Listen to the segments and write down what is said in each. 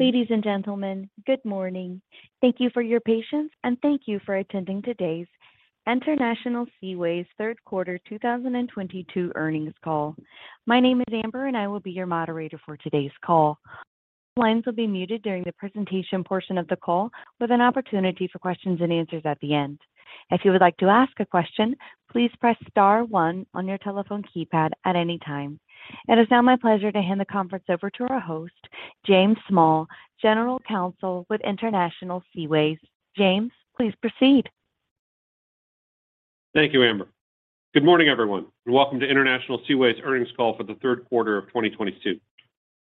Ladies and gentlemen, good morning. Thank you for your patience, and thank you for attending today's International Seaways third quarter 2022 earnings call. My name is Amber, and I will be your moderator for today's call. Lines will be muted during the presentation portion of the call with an opportunity for questions and answers at the end. If you would like to ask a question, please press star one on your telephone keypad at any time. It is now my pleasure to hand the conference over to our host, James Small, General Counsel with International Seaways. James, please proceed. Thank you, Amber. Good morning, everyone, and welcome to International Seaways earnings call for the third quarter of 2022.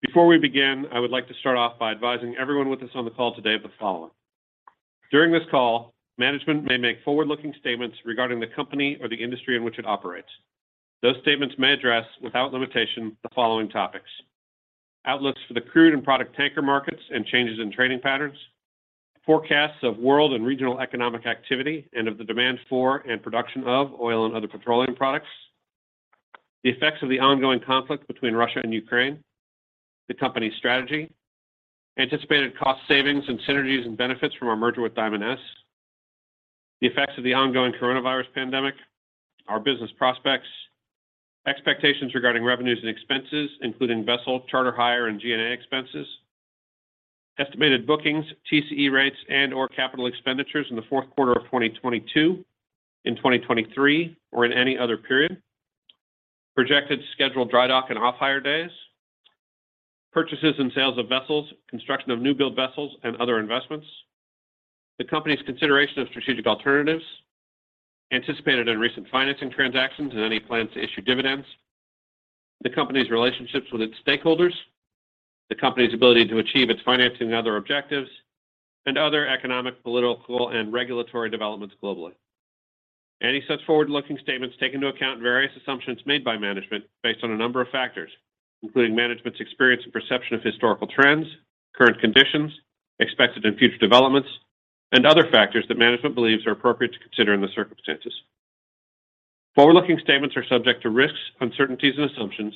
Before we begin, I would like to start off by advising everyone with us on the call today of the following. During this call, management may make forward-looking statements regarding the company or the industry in which it operates. Those statements may address, without limitation, the following topics. Outlooks for the crude and product tanker markets and changes in trading patterns. Forecasts of world and regional economic activity and of the demand for and production of oil and other petroleum products. The effects of the ongoing conflict between Russia and Ukraine. The company's strategy. Anticipated cost savings and synergies and benefits from our merger with Diamond S. The effects of the ongoing coronavirus pandemic. Our business prospects. Expectations regarding revenues and expenses, including vessel, charter hire and G&A expenses. Estimated bookings, TCE rates and/or capital expenditures in the fourth quarter of 2022, in 2023, or in any other period. Projected scheduled dry dock and off-hire days. Purchases and sales of vessels, construction of new-build vessels and other investments. The company's consideration of strategic alternatives. Anticipated and recent financing transactions and any plan to issue dividends. The company's relationships with its stakeholders. The company's ability to achieve its financing and other objectives. And other economic, political, and regulatory developments globally. Any such forward-looking statements take into account various assumptions made by management based on a number of factors, including management's experience and perception of historical trends, current conditions, expected and future developments, and other factors that management believes are appropriate to consider in the circumstances. Forward-looking statements are subject to risks, uncertainties and assumptions,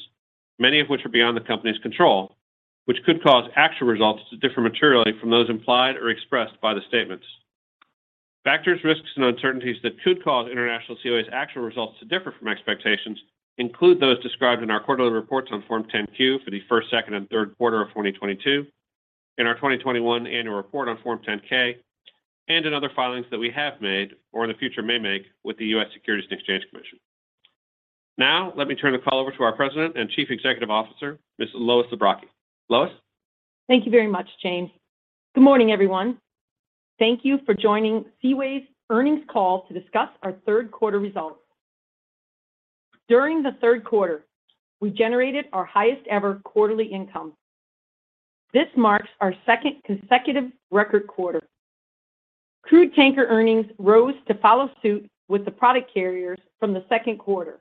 many of which are beyond the company's control, which could cause actual results to differ materially from those implied or expressed by the statements. Factors, risks, and uncertainties that could cause International Seaways actual results to differ from expectations include those described in our quarterly reports on Form 10-Q for the first, second and third quarter of 2022, in our 2021 annual report on Form 10-K, and in other filings that we have made or in the future may make with the US Securities and Exchange Commission. Now, let me turn the call over to our President and Chief Executive Officer, Ms. Lois Zabrocky. Lois? Thank you very much, James. Good morning, everyone. Thank you for joining Seaways earnings call to discuss our third quarter results. During the third quarter, we generated our highest ever quarterly income. This marks our second consecutive record quarter. Crude tanker earnings rose to follow suit with the product carriers from the second quarter.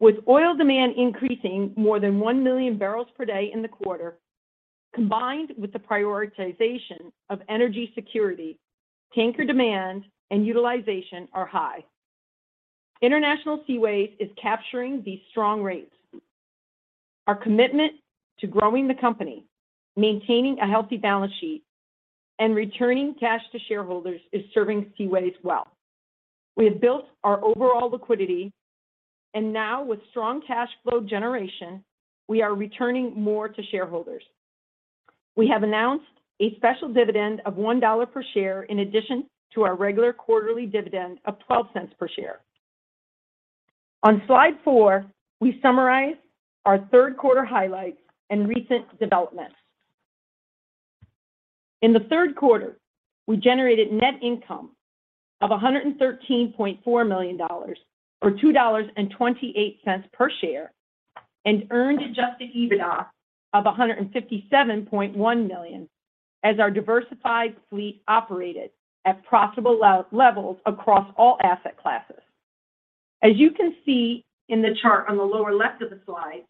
With oil demand increasing more than 1 million barrels per day in the quarter, combined with the prioritization of energy security, tanker demand and utilization are high. International Seaways is capturing these strong rates. Our commitment to growing the company, maintaining a healthy balance sheet, and returning cash to shareholders is serving Seaways well. We have built our overall liquidity, and now with strong cash flow generation, we are returning more to shareholders. We have announced a special dividend of $1 per share in addition to our regular quarterly dividend of $0.12 per share. On slide four, we summarize our third quarter highlights and recent developments. In the third quarter, we generated net income of $113.4 million or $2.28 per share, and earned adjusted EBITDA of $157.1 million as our diversified fleet operated at profitable levels across all asset classes. As you can see in the chart on the lower left of the slide,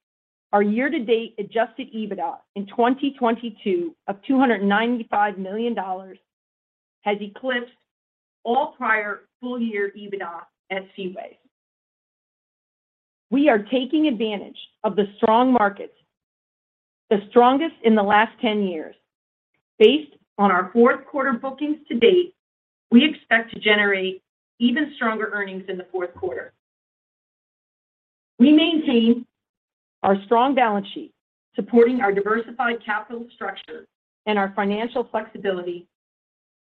our year-to-date adjusted EBITDA in 2022 of $295 million has eclipsed all prior full year EBITDA at Seaways. We are taking advantage of the strong markets, the strongest in the last 10 years. Based on our fourth quarter bookings to date, we expect to generate even stronger earnings in the fourth quarter. We maintain our strong balance sheet supporting our diversified capital structure and our financial flexibility,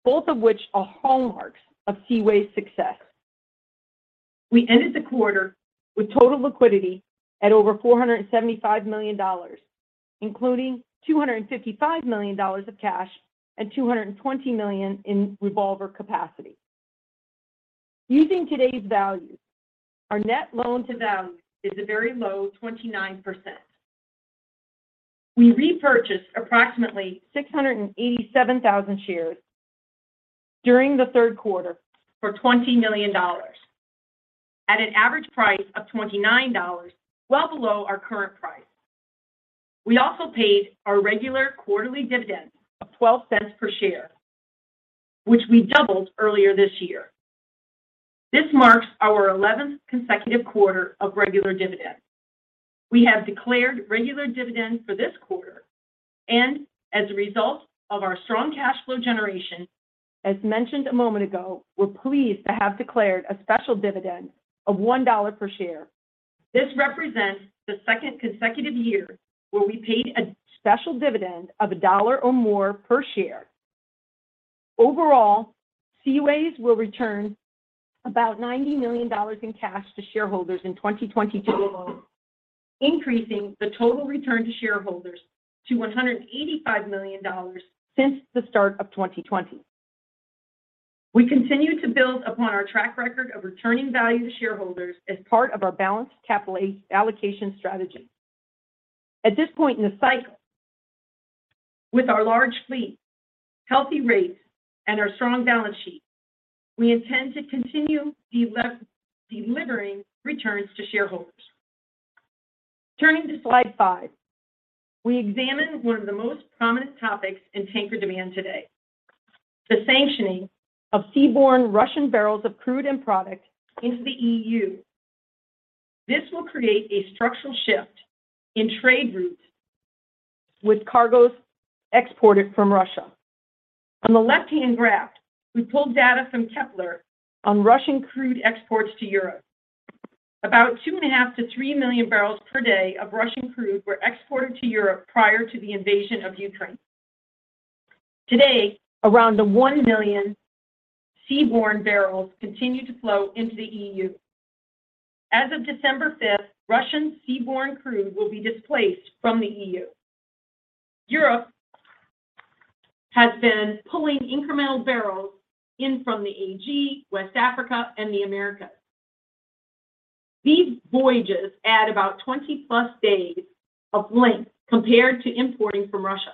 both of which are hallmarks of Seaways' success. We ended the quarter with total liquidity at over $475 million, including $255 million of cash and $220 million in revolver capacity. Using today's value, our net loan to value is a very low 29%. We repurchased approximately 687,000 shares during the third quarter for $20 million at an average price of $29, well below our current price. We also paid our regular quarterly dividend of $0.12 per share, which we doubled earlier this year. This marks our 11th consecutive quarter of regular dividend. We have declared regular dividend for this quarter and as a result of our strong cash flow generation, as mentioned a moment ago, we're pleased to have declared a special dividend of $1 per share. This represents the second consecutive year where we paid a special dividend of $1 or more per share. Overall, Seaways will return about $90 million in cash to shareholders in 2022, increasing the total return to shareholders to $185 million since the start of 2020. We continue to build upon our track record of returning value to shareholders as part of our balanced capital allocation strategy. At this point in the cycle, with our large fleet, healthy rates, and our strong balance sheet, we intend to continue delivering returns to shareholders. Turning to slide five, we examine one of the most prominent topics in tanker demand today, the sanctioning of seaborne Russian barrels of crude and product into the EU. This will create a structural shift in trade routes with cargoes exported from Russia. On the left-hand graph, we pulled data from Kpler on Russian crude exports to Europe. About 2.5-3 million barrels per day of Russian crude were exported to Europe prior to the invasion of Ukraine. Today, around 1 million seaborne barrels continue to flow into the EU. As of December fifth, Russian seaborne crude will be displaced from the EU. Europe has been pulling incremental barrels in from the AG, West Africa, and the Americas. These voyages add about 20+ days of length compared to importing from Russia.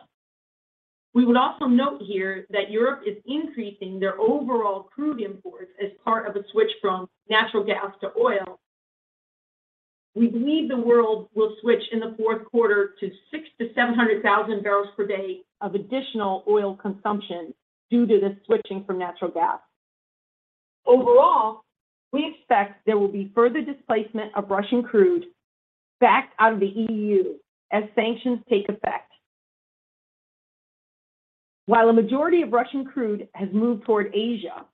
We would also note here that Europe is increasing their overall crude imports as part of a switch from natural gas to oil. We believe the world will switch in the fourth quarter to 600,000-700,000 barrels per day of additional oil consumption due to the switching from natural gas. Overall, we expect there will be further displacement of Russian crude back out of the EU as sanctions take effect. While a majority of Russian crude has moved toward Asia,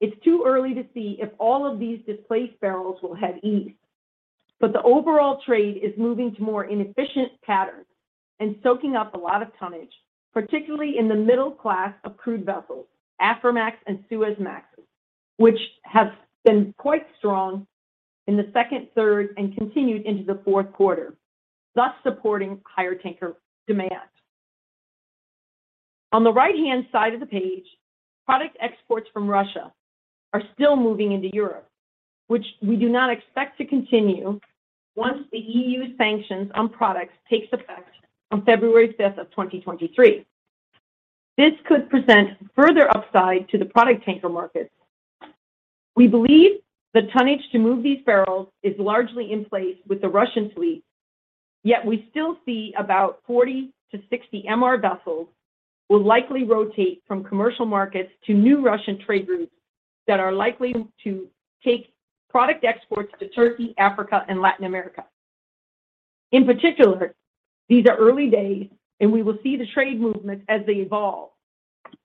it's too early to see if all of these displaced barrels will head east. The overall trade is moving to more inefficient patterns and soaking up a lot of tonnage, particularly in the middle class of crude vessels, Aframax and Suezmax, which has been quite strong in the second, third, and continued into the fourth quarter, thus supporting higher tanker demand. On the right-hand side of the page, product exports from Russia are still moving into Europe, which we do not expect to continue once the EU sanctions on products takes effect on February fifth, 2023. This could present further upside to the product tanker market. We believe the tonnage to move these barrels is largely in place with the Russian fleet. Yet we still see about 40-60 MR vessels will likely rotate from commercial markets to new Russian trade routes that are likely to take product exports to Turkey, Africa, and Latin America. In particular, these are early days, and we will see the trade movements as they evolve.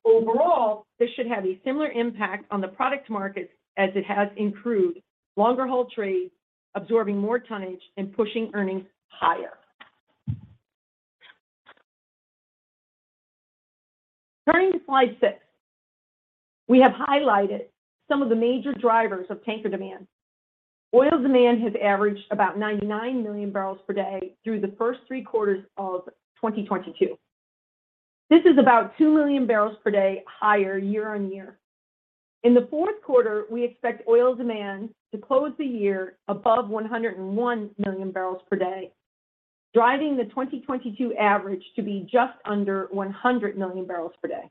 Overall, this should have a similar impact on the product market as it has in crude, longer-haul trade, absorbing more tonnage and pushing earnings higher. Turning to slide six, we have highlighted some of the major drivers of tanker demand. Oil demand has averaged about 99 million barrels per day through the first three quarters of 2022. This is about 2 million barrels per day higher year on year. In the fourth quarter, we expect oil demand to close the year above 101 million barrels per day, driving the 2022 average to be just under 100 million barrels per day.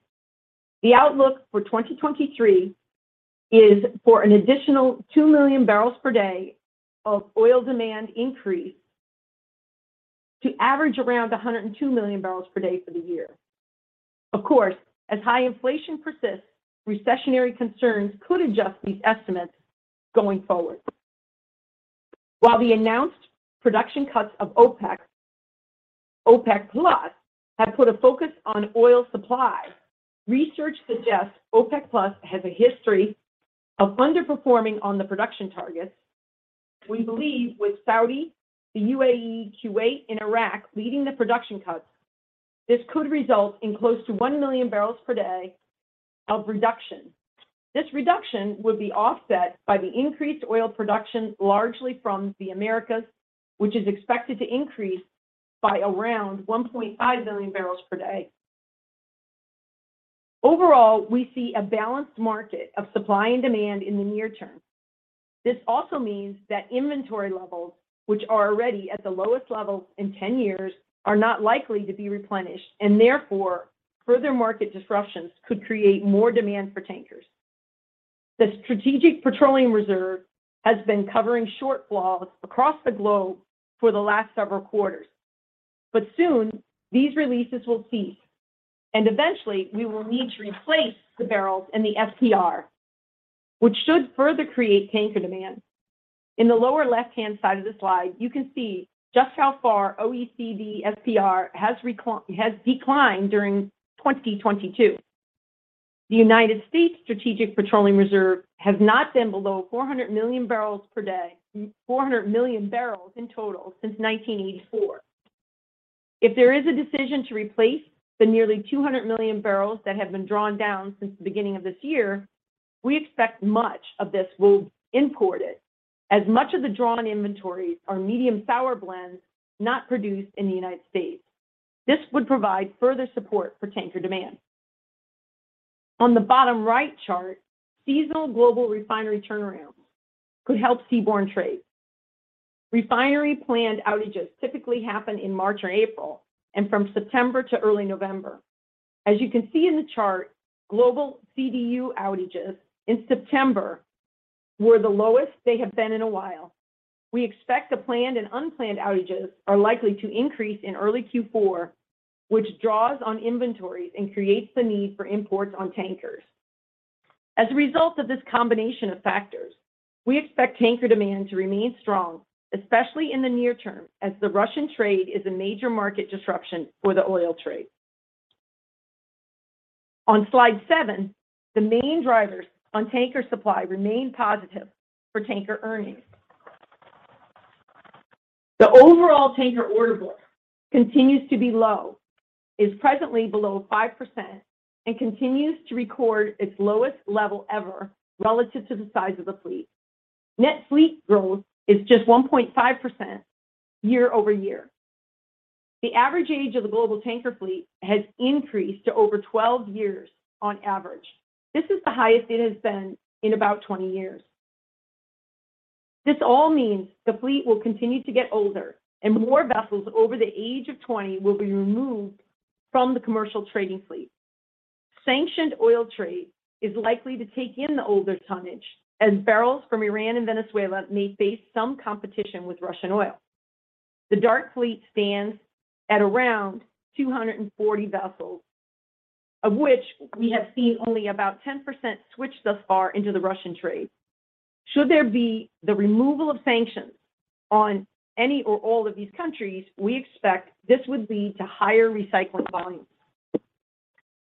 The outlook for 2023 is for an additional 2 million barrels per day of oil demand increase to average around 102 million barrels per day for the year. Of course, as high inflation persists, recessionary concerns could adjust these estimates going forward. While the announced production cuts of OPEC+ have put a focus on oil supply, research suggests OPEC+ has a history of underperforming on the production targets. We believe with Saudi, the UAE, Kuwait, and Iraq leading the production cuts, this could result in close to 1 million barrels per day of reduction. This reduction would be offset by the increased oil production, largely from the Americas, which is expected to increase by around 1.5 million barrels per day. Overall, we see a balanced market of supply and demand in the near term. This also means that inventory levels, which are already at the lowest levels in 10 years, are not likely to be replenished, and therefore, further market disruptions could create more demand for tankers. The Strategic Petroleum Reserve has been covering shortfalls across the globe for the last several quarters. Soon these releases will cease, and eventually we will need to replace the barrels in the SPR, which should further create tanker demand. In the lower left-hand side of the slide, you can see just how far OECD SPR has declined during 2022. The United States Strategic Petroleum Reserve has not been below 400 million barrels in total since 1984. If there is a decision to replace the nearly 200 million barrels that have been drawn down since the beginning of this year, we expect much of this will be imported as much of the drawn inventories are medium sour blends not produced in the United States. This would provide further support for tanker demand. On the bottom right chart, seasonal global refinery turnarounds could help seaborne trade. Refinery planned outages typically happen in March or April, and from September to early November. As you can see in the chart, global CDU outages in September were the lowest they have been in a while. We expect the planned and unplanned outages are likely to increase in early Q4, which draws on inventories and creates the need for imports on tankers. As a result of this combination of factors, we expect tanker demand to remain strong, especially in the near term, as the Russian trade is a major market disruption for the oil trade. On slide seven, the main drivers on tanker supply remain positive for tanker earnings. The overall tanker order book continues to be low, is presently below 5%, and continues to record its lowest level ever relative to the size of the fleet. Net fleet growth is just 1.5% year-over-year. The average age of the global tanker fleet has increased to over 12 years on average. This is the highest it has been in about 20 years. This all means the fleet will continue to get older and more vessels over the age of 20 will be removed from the commercial trading fleet. Sanctioned oil trade is likely to take in the older tonnage as barrels from Iran and Venezuela may face some competition with Russian oil. The dark fleet stands at around 240 vessels, of which we have seen only about 10% switch thus far into the Russian trade. Should there be the removal of sanctions on any or all of these countries, we expect this would lead to higher recycling volumes.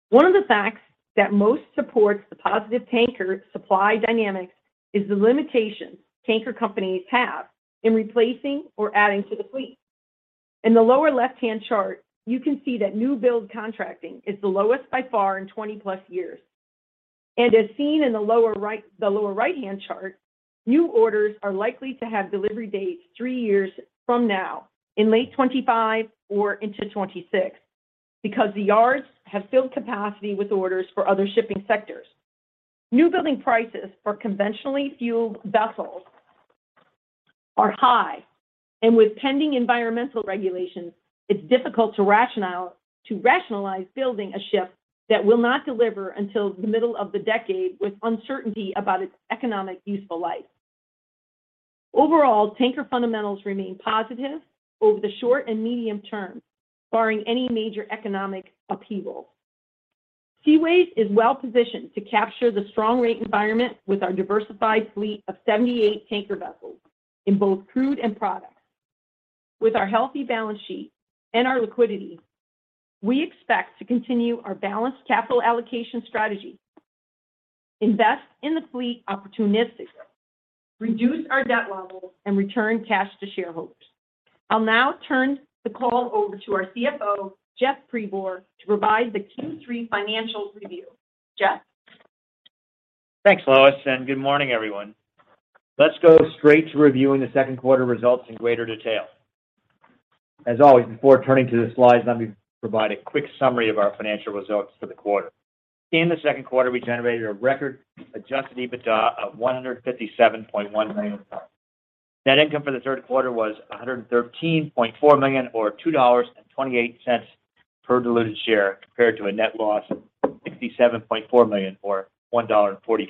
One of the facts that most supports the positive tanker supply dynamics is the limitations tanker companies have in replacing or adding to the fleet. In the lower left-hand chart, you can see that new build contracting is the lowest by far in 20-plus years. As seen in the lower right-hand chart, new orders are likely to have delivery dates three years from now in late 2025 or into 2026 because the yards have filled capacity with orders for other shipping sectors. New building prices for conventionally fueled vessels are high, and with pending environmental regulations, it's difficult to rationalize building a ship that will not deliver until the middle of the decade with uncertainty about its economic useful life. Overall, tanker fundamentals remain positive over the short and medium-term, barring any major economic upheaval. Seaways is well-positioned to capture the strong rate environment with our diversified fleet of 78 tanker vessels in both crude and products. With our healthy balance sheet and our liquidity, we expect to continue our balanced capital allocation strategy, invest in the fleet opportunistically, reduce our debt level, and return cash to shareholders. I'll now turn the call over to our CFO, Jeff Pribor, to provide the Q3 financial review. Jeff? Thanks, Lois, and good morning, everyone. Let's go straight to reviewing the second quarter results in greater detail. As always, before turning to the slides, let me provide a quick summary of our financial results for the quarter. In the second quarter, we generated a record adjusted EBITDA of $157.1 million. Net income for the third quarter was $113.4 million, or $2.28 per diluted share, compared to a net loss of $67.4 million or $1.44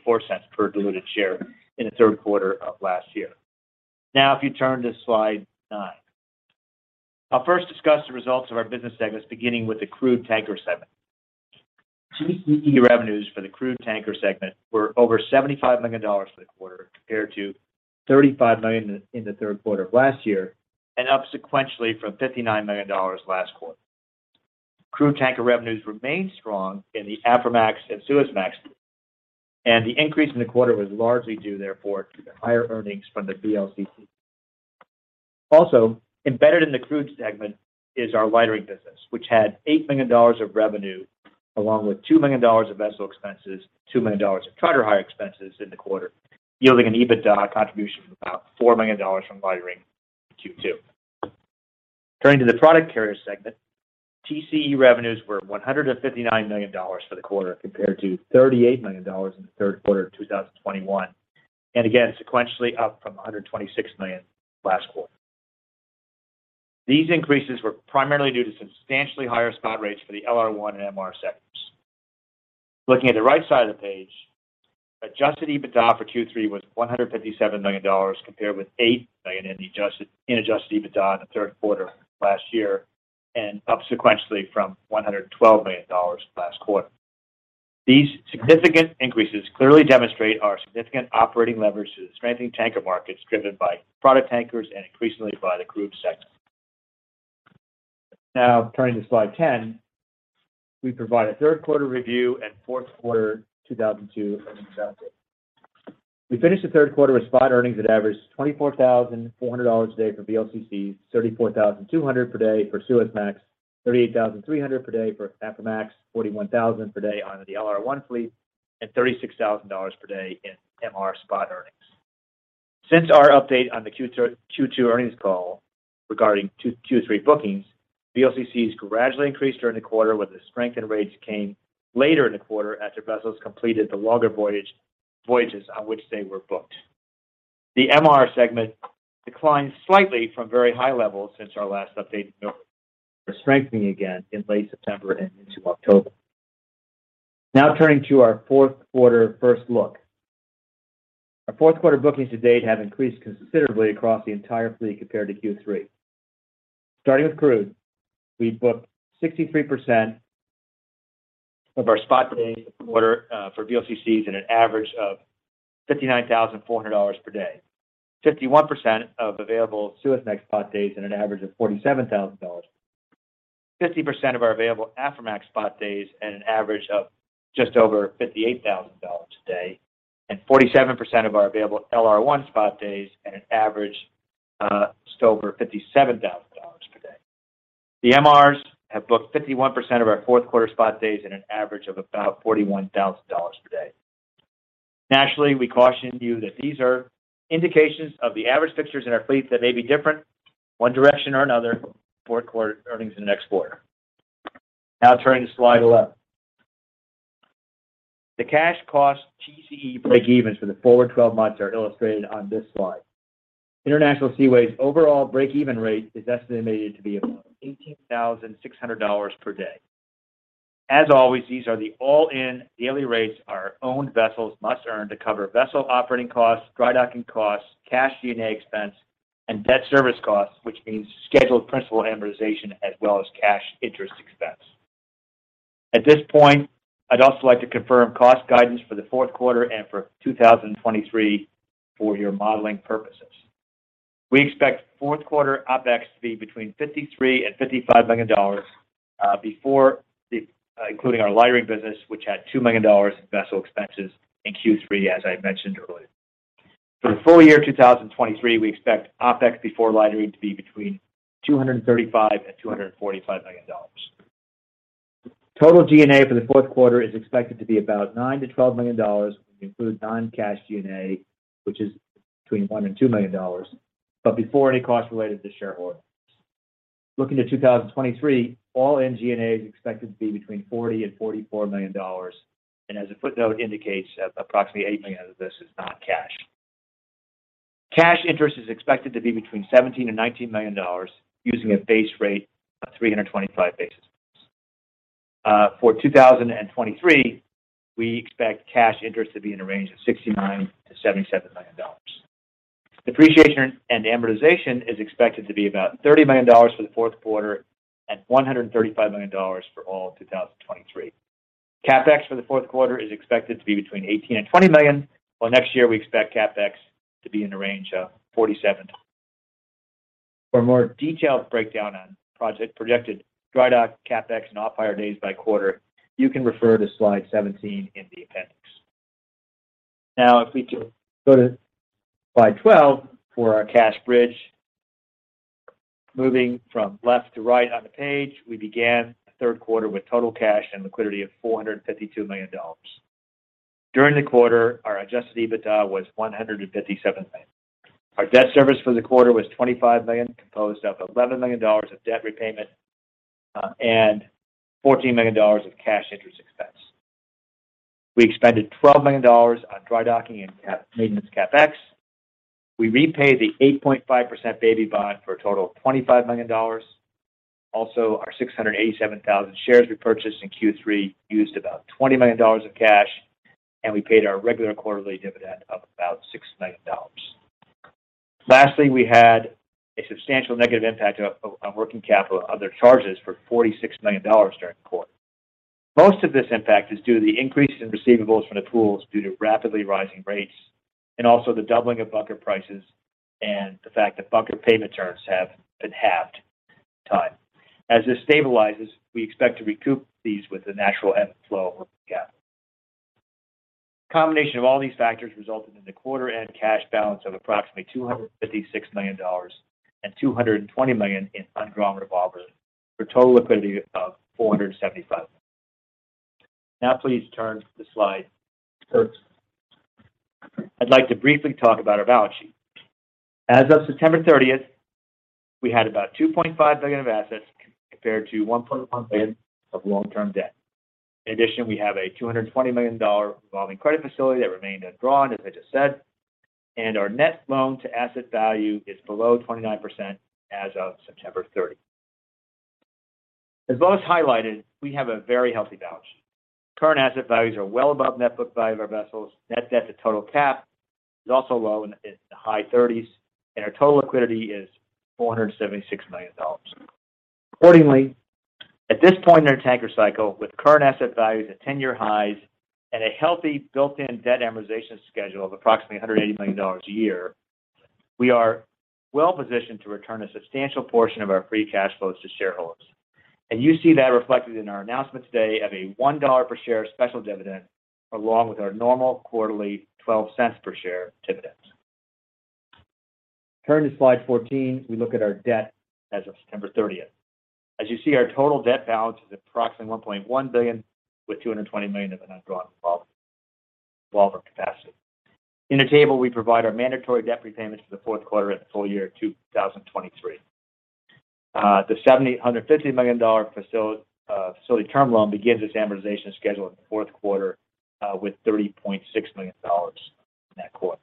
per diluted share in the third quarter of last year. Now, if you turn to slide nine, I'll first discuss the results of our business segments, beginning with the crude tanker segment. TCE revenues for the crude tanker segment were over $75 million for the quarter, compared to $35 million in the third quarter of last year, and up sequentially from $59 million last quarter. Crude tanker revenues remained strong in the Aframax and Suezmax, and the increase in the quarter was largely due therefore to the higher earnings from the VLCC. Also embedded in the crude segment is our lightering business, which had $8 million of revenue along with $2 million of vessel expenses, $2 million of charter hire expenses in the quarter, yielding an EBITDA contribution of about $4 million from lightering in Q2. Turning to the product carrier segment, TCE revenues were $159 million for the quarter, compared to $38 million in the third quarter of 2021, and again, sequentially up from $126 million last quarter. These increases were primarily due to substantially higher spot rates for the LR1 and MR sectors. Looking at the right side of the page, adjusted EBITDA for Q3 was $157 million compared with $8 million in adjusted EBITDA in the third quarter last year and up sequentially from $112 million last quarter. These significant increases clearly demonstrate our significant operating leverage to the strengthening tanker markets driven by product tankers and increasingly by the crude sector. Now turning to slide 10, we provide a third quarter review and fourth quarter 2022 earnings update. We finished the third quarter with spot earnings that averaged $24,400 a day for VLCCs, $34,200 per day for Suezmax, $38,300 per day for Aframax, $41,000 per day on the LR1 fleet, and $36,000 per day in MR spot earnings. Since our update on the Q2 earnings call regarding Q3 bookings, VLCCs gradually increased during the quarter with the strength and rates came later in the quarter after vessels completed the longer voyages on which they were booked. The MR segment declined slightly from very high levels since our last update but are strengthening again in late September and into October. Now turning to our fourth quarter first look. Our fourth quarter bookings to date have increased considerably across the entire fleet compared to Q3. Starting with crude, we booked 63% of our spot days for the quarter for VLCCs and an average of $59,400 per day. 51% of available Suezmax spot days and an average of $47,000. 50% of our available Aframax spot days and an average of just over $58,000 a day. 47% of our available LR1 spot days at an average just over $57,000 per day. The MRs have booked 51% of our fourth quarter spot days at an average of about $41,000 per day. Naturally, we caution you that these are indications of the average fixtures in our fleet that may be different one direction or another fourth quarter earnings in the next quarter. Now turning to slide 11. The cash cost TCE breakevens for the forward 12 months are illustrated on this slide. International Seaways' overall breakeven rate is estimated to be about $18,600 per day. As always, these are the all-in daily rates our owned vessels must earn to cover vessel operating costs, dry docking costs, cash G&A expense, and debt service costs, which means scheduled principal amortization as well as cash interest expense. At this point, I'd also like to confirm cost guidance for the fourth quarter and for 2023 for your modeling purposes. We expect fourth quarter OpEx to be between $53 million and $55 million, including our lightering business, which had $2 million in vessel expenses in Q3, as I mentioned earlier. For the full year 2023, we expect OpEx before lightering to be between $235 million and $245 million. Total G&A for the fourth quarter is expected to be about $9 million-$12 million, including non-cash G&A, which is between $1 million and $2 million, but before any costs related to shareholdings. Looking at 2023, all-in G&A is expected to be between $40 million and $44 million, and as the footnote indicates, approximately $8 million of this is non-cash. Cash interest is expected to be between $17 million and $19 million using a base rate of 325 basis points. For 2023, we expect cash interest to be in the range of $69 million-$77 million. Depreciation and amortization is expected to be about $30 million for the fourth quarter and $135 million for all of 2023. CapEx for the fourth quarter is expected to be between $18 million and $20 million, while next year we expect CapEx to be in the range of $47 million. For a more detailed breakdown on projected dry dock CapEx and off-hire days by quarter, you can refer to slide 17 in the appendix. Now if we could go to slide 12 for our cash bridge. Moving from left to right on the page, we began the third quarter with total cash and liquidity of $452 million. During the quarter, our adjusted EBITDA was $157 million. Our debt service for the quarter was $25 million, composed of $11 million of debt repayment and $14 million of cash interest expense. We expended $12 million on dry docking and CapEx. We repaid the 8.5% baby bond for a total of $25 million. Also, our 687,000 shares repurchased in Q3 used about $20 million of cash, and we paid our regular quarterly dividend of about $6 million. We had a substantial negative impact of working capital other charges for $46 million during the quarter. Most of this impact is due to the increase in receivables from the pools due to rapidly rising rates and also the doubling of bunker prices and the fact that bunker payment terms have been halved this time. As this stabilizes, we expect to recoup these with the natural ebb and flow of working capital. Combination of all these factors resulted in the quarter-end cash balance of approximately $256 million and $220 million in undrawn revolvers for total liquidity of $475 million. Now please turn to slide 13. I'd like to briefly talk about our balance sheet. As of September 30, we had about $2.5 billion of assets compared to $1.1 billion of long-term debt. In addition, we have a $220 million dollar revolving credit facility that remained undrawn, as I just said. Our net loan to asset value is below 29% as of September 30. As Lois highlighted, we have a very healthy balance sheet. Current asset values are well above net book value of our vessels. Net debt to total cap is also low in the high 30s, and our total liquidity is $476 million. Accordingly, at this point in our tanker cycle, with current asset values at 10-year highs and a healthy built-in debt amortization schedule of approximately $180 million a year, we are well-positioned to return a substantial portion of our free cash flows to shareholders. You see that reflected in our announcement today of a $1 per share special dividend, along with our normal quarterly $0.12 per share dividends. Turning to slide 14, we look at our debt as of September 30. As you see, our total debt balance is approximately $1.1 billion, with $220 million of an undrawn revolver capacity. In the table, we provide our mandatory debt repayments for the fourth quarter and the full year 2023. The $750 million facility term loan begins its amortization schedule in the fourth quarter, with $30.6 million in that quarter.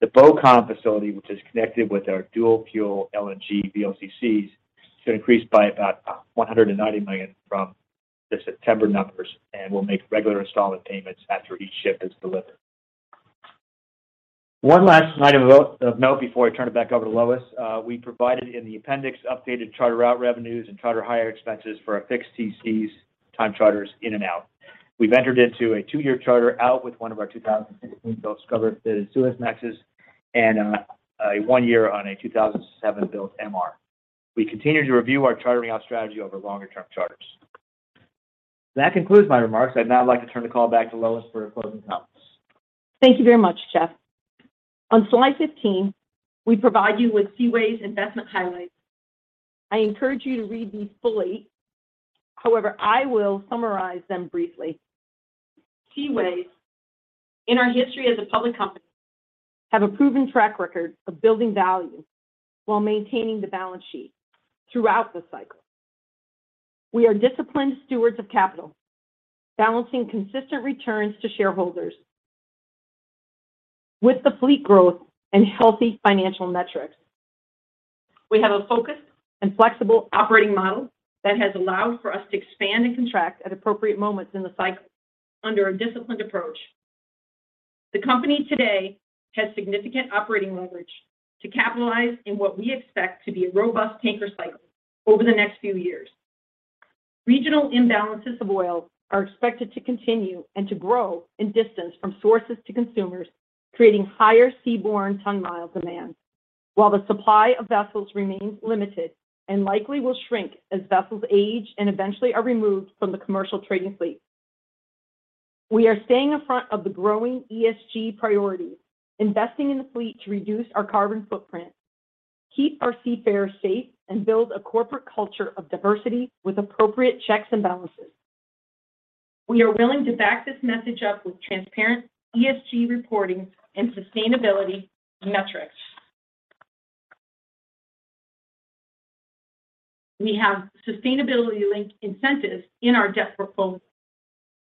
The BoComm facility, which is connected with our dual fuel LNG VLCCs, should increase by about $190 million from the September numbers and will make regular installment payments after each ship is delivered. One last item of note before I turn it back over to Lois. We provided in the appendix updated charter out revenues and charter hire expenses for our fixed TCs time charters in and out. We've entered into a two-year charter out with one of our 2015-built scrubber-fitted Suezmaxes and a one-year on a 2007-built MR. We continue to review our chartering out strategy over longer-term charters. That concludes my remarks. I'd now like to turn the call back to Lois for closing comments. Thank you very much, Jeff. On slide 15, we provide you with Seaways' investment highlights. I encourage you to read these fully. However, I will summarize them briefly. Seaways, in our history as a public company, have a proven track record of building value while maintaining the balance sheet throughout the cycle. We are disciplined stewards of capital, balancing consistent returns to shareholders with the fleet growth and healthy financial metrics. We have a focused and flexible operating model that has allowed for us to expand and contract at appropriate moments in the cycle under a disciplined approach. The company today has significant operating leverage to capitalize in what we expect to be a robust tanker cycle over the next few years. Regional imbalances of oil are expected to continue and to grow in distance from sources to consumers, creating higher seaborne ton-mile demand, while the supply of vessels remains limited and likely will shrink as vessels age and eventually are removed from the commercial trading fleet. We are staying in front of the growing ESG priorities, investing in the fleet to reduce our carbon footprint, keep our seafarers safe, and build a corporate culture of diversity with appropriate checks and balances. We are willing to back this message up with transparent ESG reporting and sustainability metrics. We have sustainability-linked incentives in our debt portfolio.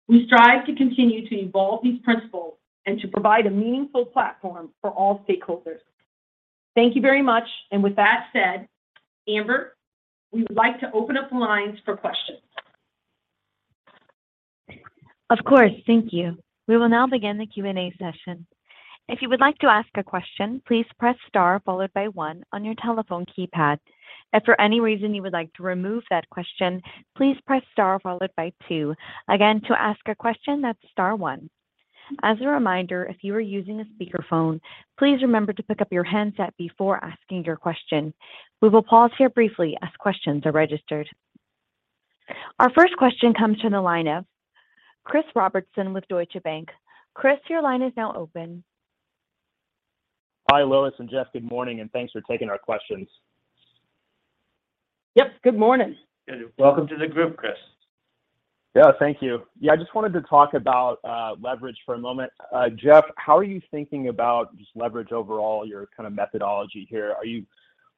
We strive to continue to evolve these principles and to provide a meaningful platform for all stakeholders. Thank you very much. With that said, Amber, we would like to open up the lines for questions. Of course. Thank you. We will now begin the Q&A session. If you would like to ask a question, please press star followed by one on your telephone keypad. If for any reason you would like to remove that question, please press star followed by two. Again, to ask a question, that's star one. As a reminder, if you are using a speakerphone, please remember to pick up your handset before asking your question. We will pause here briefly as questions are registered. Our first question comes from the line of Chris Robertson with Deutsche Bank. Chris, your line is now open. Hi, Lois and Jeff. Good morning, and thanks for taking our questions. Yep. Good morning. Good. Welcome to the group, Chris. Yeah. Thank you. Yeah, I just wanted to talk about leverage for a moment. Jeff, how are you thinking about just leverage overall, your kind of methodology here? Are you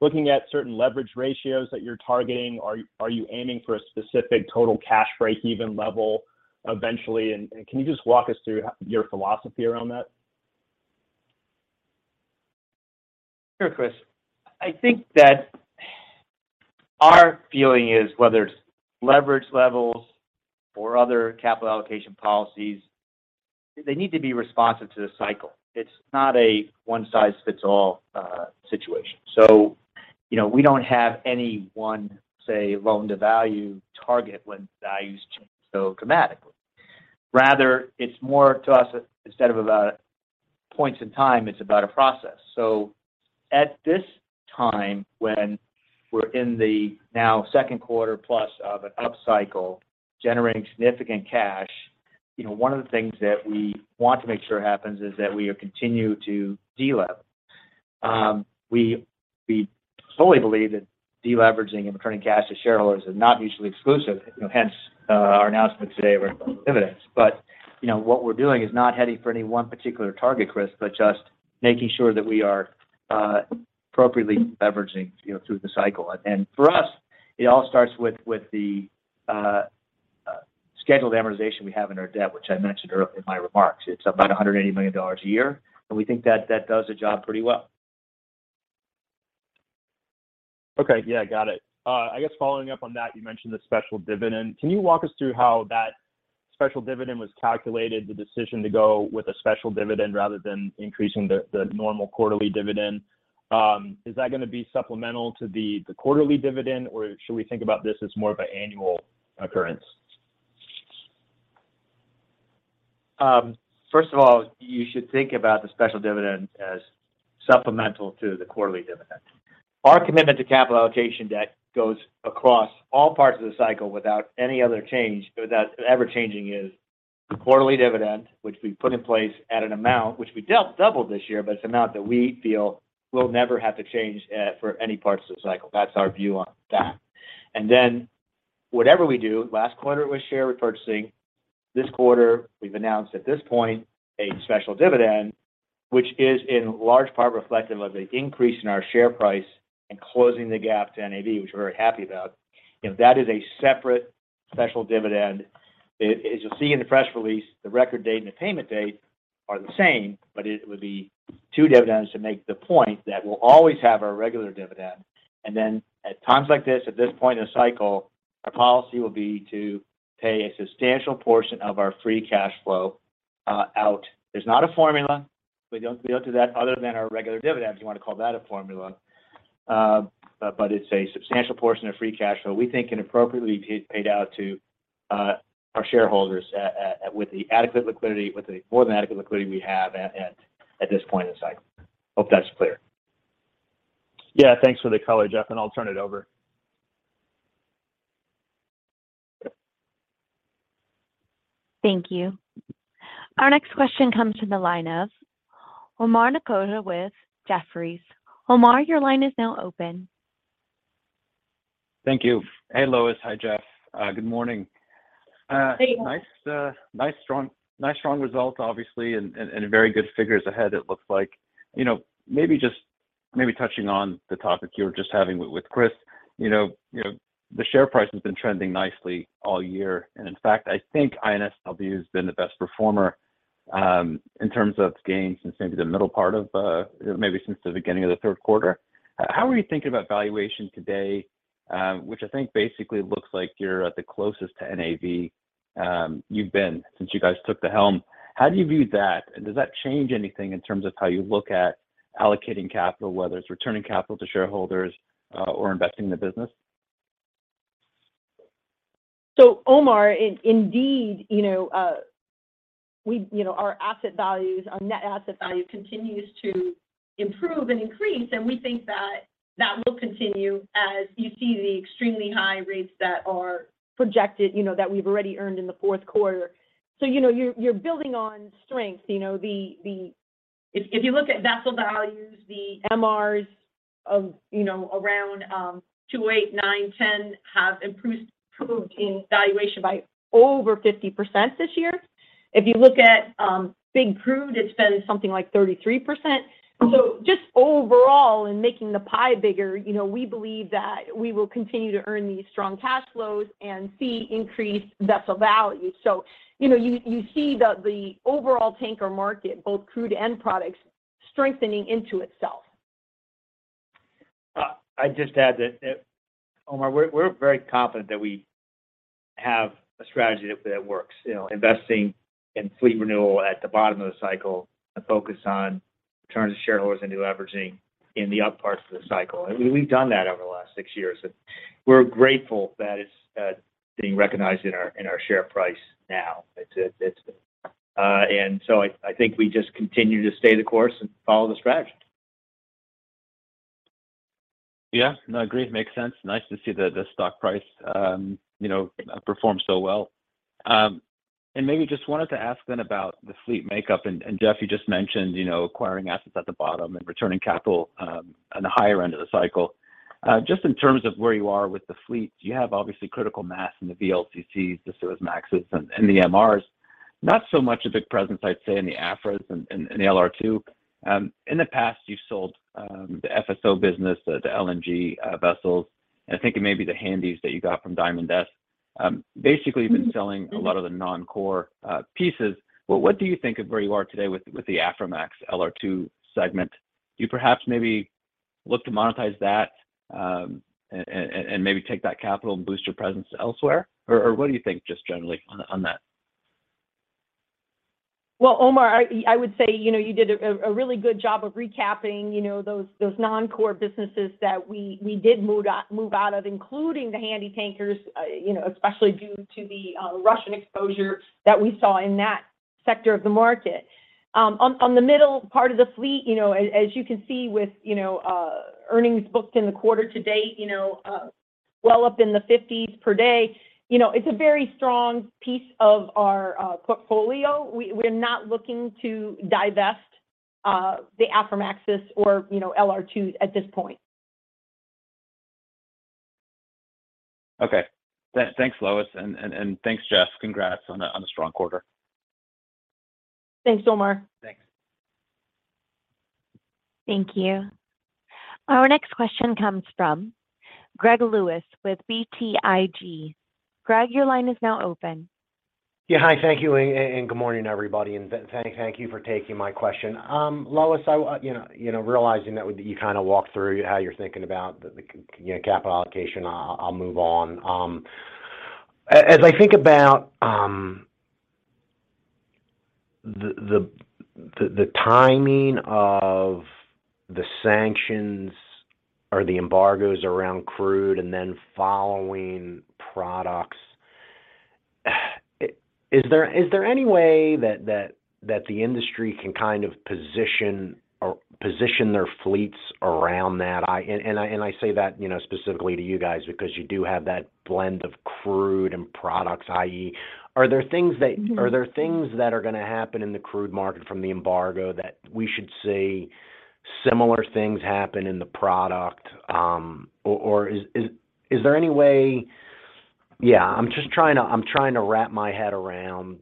looking at certain leverage ratios that you're targeting? Are you aiming for a specific total cash breakeven level eventually? Can you just walk us through your philosophy around that? Sure, Chris. I think that our feeling is whether it's leverage levels or other capital allocation policies, they need to be responsive to the cycle. It's not a one-size-fits-all situation. You know, we don't have any one, say, loan-to-value target when values change so dramatically. Rather, it's more to us instead of about points in time, it's about a process. At this time, when we're in the now second quarter plus of an upcycle generating significant cash, you know, one of the things that we want to make sure happens is that we continue to delever. We solely believe that deleveraging and returning cash to shareholders is not mutually exclusive. You know, hence our announcement today around dividends. You know, what we're doing is not heading for any one particular target, Chris, but just making sure that we are appropriately levering, you know, through the cycle. For us, it all starts with the scheduled amortization we have in our debt, which I mentioned in my remarks. It's about $180 million a year, and we think that does the job pretty well. Okay. Yeah, got it. I guess following up on that, you mentioned the special dividend. Can you walk us through how that special dividend was calculated, the decision to go with a special dividend rather than increasing the normal quarterly dividend? Is that gonna be supplemental to the quarterly dividend, or should we think about this as more of an annual occurrence? First of all, you should think about the special dividend as supplemental to the quarterly dividend. Our commitment to capital allocation debt goes across all parts of the cycle without any other change. Without ever-changing is the quarterly dividend, which we put in place at an amount, which we doubled this year, but it's an amount that we feel we'll never have to change, for any parts of the cycle. That's our view on that. Then whatever we do, last quarter it was share repurchasing. This quarter, we've announced at this point a special dividend, which is in large part reflective of an increase in our share price and closing the gap to NAV, which we're very happy about. You know, that is a separate special dividend. As you'll see in the press release, the record date and the payment date are the same, but it would be two dividends to make the point that we'll always have our regular dividend. At times like this, at this point in the cycle, our policy will be to pay a substantial portion of our free cash flow out. There's not a formula. We don't do that other than our regular dividends, you wanna call that a formula. It's a substantial portion of free cash flow we think and appropriately paid out to our shareholders with the adequate liquidity, with the more than adequate liquidity we have at this point in the cycle. Hope that's clear. Yeah, thanks for the color, Jeff, and I'll turn it over. Thank you. Our next question comes from the line of Omar Nokta with Jefferies. Omar, your line is now open. Thank you. Hey, Lois. Hi, Jeff. Good morning. Hey. Nice strong result, obviously, and very good figures ahead, it looks like. You know, maybe just maybe touching on the topic you were just having with Chris, you know, the share price has been trending nicely all year. In fact, I think INSW has been the best performer in terms of gains since maybe the middle part of, maybe since the beginning of the third quarter. How are you thinking about valuation today, which I think basically looks like you're at the closest to NAV you've been since you guys took the helm. How do you view that? Does that change anything in terms of how you look at allocating capital, whether it's returning capital to shareholders or investing in the business? Omar, indeed, you know, we you know our asset values, our net asset value continues to improve and increase, and we think that will continue as you see the extremely high rates that are projected, you know, that we've already earned in the fourth quarter. You know, you're building on strength. If you look at vessel values, the MRs of you know around 208, 9, 10 have improved in valuation by over 50% this year. If you look at big crude, it's been something like 33%. Just overall in making the pie bigger, you know, we believe that we will continue to earn these strong cash flows and see increased vessel value. You know, you see the overall tanker market, both crude and products strengthening into itself. I'd just add that, Omar, we're very confident that we have a strategy that works. You know, investing in fleet renewal at the bottom of the cycle and focus on return to shareholders and deleveraging in the up parts of the cycle. I mean, we've done that over the last six years, and we're grateful that it's being recognized in our share price now. I think we just continue to stay the course and follow the strategy. Yeah, no, agree. Makes sense. Nice to see the stock price, you know, perform so well. Maybe just wanted to ask then about the fleet makeup. Jeff, you just mentioned, you know, acquiring assets at the bottom and returning capital in the higher end of the cycle. Just in terms of where you are with the fleet, you have obviously critical mass in the VLCCs, the Suezmaxes, and the MRs. Not so much a big presence, I'd say, in the Aframaxes and the LR2. In the past, you've sold the FSO business, the LNG vessels. I think it may be the Handysize that you got from Diamond S. Basically you've been selling a lot of the non-core pieces. What do you think of where you are today with the Aframax LR2 segment? Do you perhaps maybe look to monetize that, and maybe take that capital and boost your presence elsewhere? Or what do you think just generally on that? Well, Omar, I would say, you know, you did a really good job of recapping, you know, those non-core businesses that we did move out of, including the handy tankers, you know, especially due to the Russian exposure that we saw in that sector of the market. On the middle part of the fleet, you know, as you can see with earnings booked in the quarter to date, you know, well up in the $50s per day, you know, it's a very strong piece of our portfolio. We're not looking to divest the Aframaxes or, you know, LR2s at this point. Okay. Thanks, Lois. Thanks, Jeff. Congrats on a strong quarter. Thanks, Omar. Thank you. Our next question comes from Greg Lewis with BTIG. Greg, your line is now open. Yeah. Hi. Thank you and good morning, everybody, and thank you for taking my question. Lois, you know, realizing that you kind of walked through how you're thinking about the you know, capital allocation, I'll move on. As I think about the timing of the sanctions or the embargoes around crude and then following products, is there any way that the industry can kind of position their fleets around that? I say that, you know, specifically to you guys because you do have that blend of crude and products, i.e. Are there things that, Are there things that are gonna happen in the crude market from the embargo that we should see similar things happen in the product? Is there any way? Yeah, I'm just trying to wrap my head around,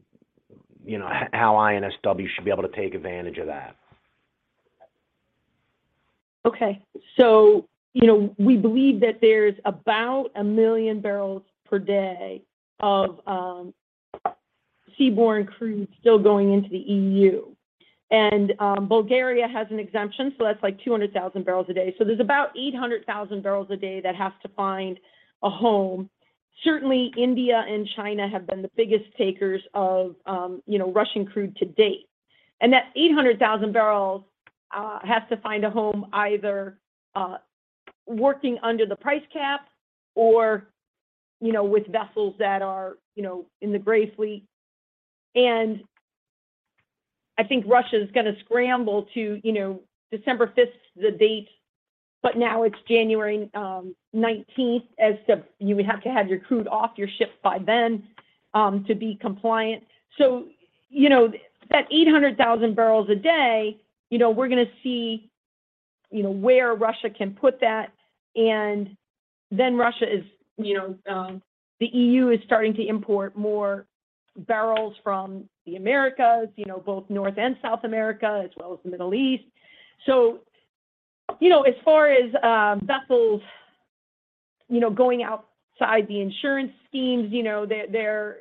you know, how INSW should be able to take advantage of that. Okay. You know, we believe that there's about 1 million barrels per day of seaborne crude still going into the EU. Bulgaria has an exemption, so that's like 200,000 barrels a day. There's about 800,000 barrels a day that has to find a home. Certainly, India and China have been the biggest takers of you know, Russian crude to date. That 800,000 barrels has to find a home either working under the price cap or you know, with vessels that are you know, in the gray fleet. I think Russia is gonna scramble to you know, December fifth is the date, but now it's January nineteenth, as to you would have to have your crude off your ship by then to be compliant. You know, that 800,000 barrels a day, you know, we're gonna see, you know, where Russia can put that. Russia is, you know, the EU is starting to import more barrels from the Americas, you know, both North and South America, as well as the Middle East. You know, as far as vessels, you know, going outside the insurance schemes, you know, there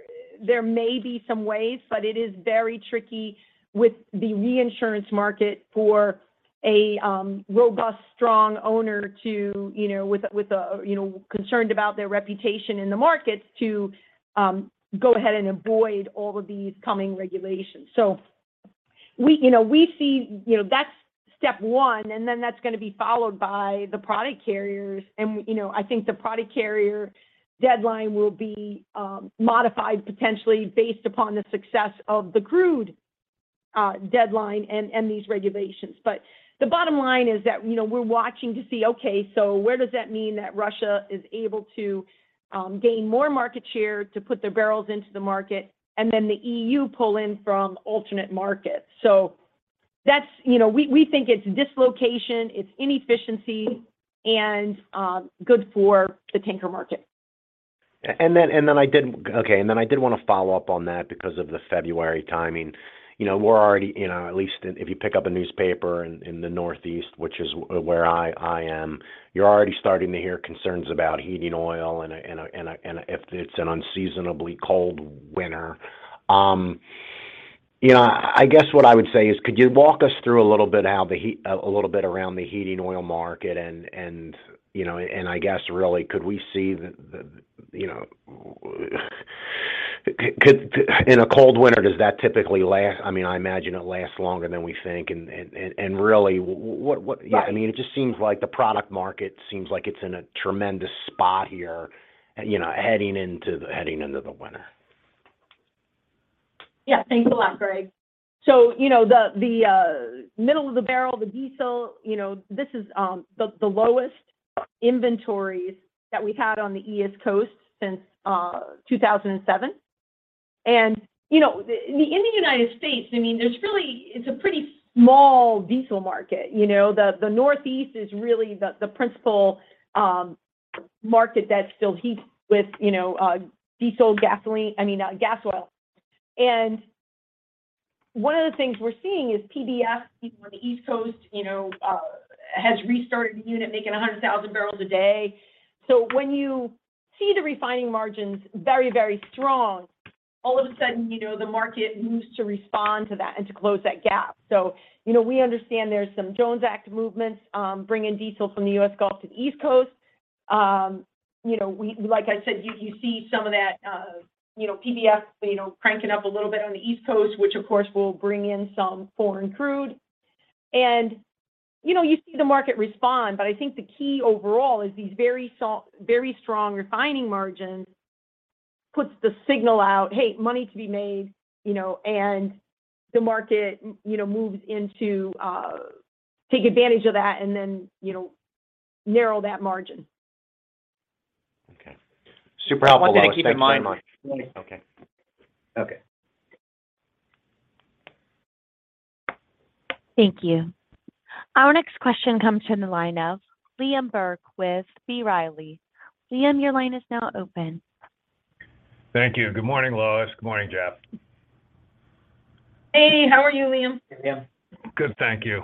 may be some ways, but it is very tricky with the reinsurance market for a robust, strong owner to, you know, with a you know, concerned about their reputation in the markets to go ahead and avoid all of these coming regulations. We, you know, we see, you know, that's step one, and then that's gonna be followed by the product carriers. You know, I think the product carrier deadline will be modified potentially based upon the success of the crude deadline and these regulations. But the bottom line is that, you know, we're watching to see, okay, so where does that mean that Russia is able to gain more market share to put their barrels into the market, and then the EU pull in from alternate markets. That's, you know, we think it's dislocation, it's inefficiency and good for the tanker market. I did wanna follow up on that because of the February timing. You know, we're already, you know, at least if you pick up a newspaper in the northeast, which is where I am, you're already starting to hear concerns about heating oil and if it's an unseasonably cold winter. You know, I guess what I would say is could you walk us through a little bit around the heating oil market and, you know, I guess really could we see the. In a cold winter, does that typically last? I mean, I imagine it lasts longer than we think. Really what Yeah I mean, it just seems like the product market seems like it's in a tremendous spot here, you know, heading into the winter. Yeah. Thanks a lot, Greg. You know, the middle of the barrel, the diesel, you know, this is the lowest inventories that we had on the East Coast since 2007. You know, in the United States, I mean, there's really, it's a pretty small diesel market. You know, the Northeast is really the principal market that still heats with, you know, diesel gasoline, I mean, gas oil. One of the things we're seeing is PBF on the East Coast has restarted the unit making 100,000 barrels a day. When you see the refining margins very, very strong, all of a sudden, you know, the market needs to respond to that and to close that gap. You know, we understand there's some Jones Act movements, bringing diesel from the U.S. Gulf to the East Coast. You know, like I said, you see some of that, you know, PBF, you know, cranking up a little bit on the East Coast, which of course will bring in some foreign crude. You know, you see the market respond, but I think the key overall is these very strong refining margins puts the signal out, "Hey, money to be made," you know, and the market, you know, moves in to take advantage of that and then, you know, narrow that margin. Okay. Super helpful though. One thing to keep in mind. Thanks very much. Yes. Okay. Okay. Thank you. Our next question comes from the line of Liam Burke with B. Riley. Liam, your line is now open. Thank you. Good morning, Lois. Good morning, Jeff. Hey. How are you, Liam? Hey, Liam. Good, thank you.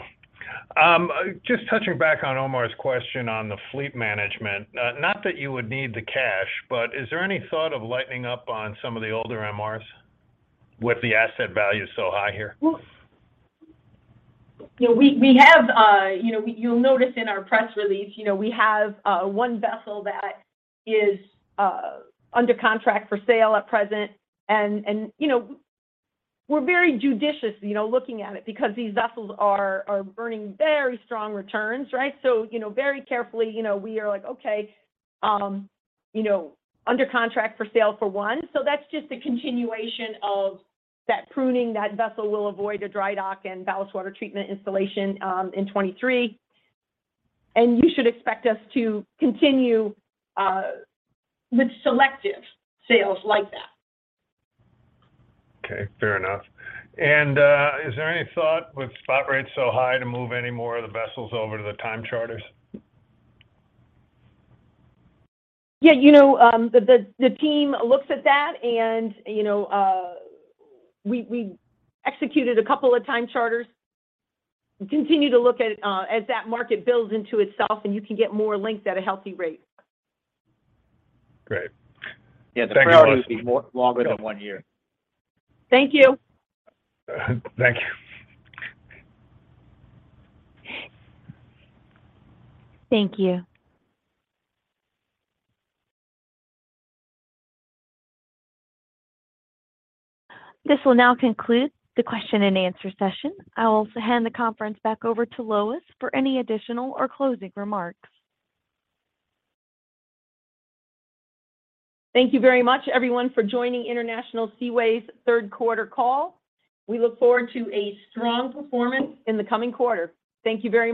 Just touching back on Omar's question on the fleet management. Not that you would need the cash, but is there any thought of lightening up on some of the older MRs with the asset value so high here? Well, you know, we have. You'll notice in our press release, you know, we have one vessel that is under contract for sale at present and, you know, we're very judicious, you know, looking at it because these vessels are earning very strong returns, right? Very carefully, you know, we are like, okay, you know, under contract for sale for one. That's just a continuation of that pruning. That vessel will avoid a dry dock and ballast water treatment installation in 2023, and you should expect us to continue with selective sales like that. Okay, fair enough. Is there any thought with spot rates so high to move any more of the vessels over to the time charters? Yeah, you know, the team looks at that and, you know, we executed a couple of time charters. We continue to look at, as that market builds into itself and you can get more length at a healthy rate. Great. Thank you, Lois. Yeah, the priority would be more longer than one year. Thank you. Thank you. Thank you. This will now conclude the question and answer session. I'll also hand the conference back over to Lois for any additional or closing remarks. Thank you very much everyone for joining International Seaways' third quarter call. We look forward to a strong performance in the coming quarter. Thank you very much.